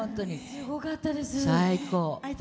すごかったです。